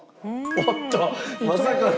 おっとまさかの！